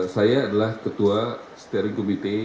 saya adalah ketua steering committee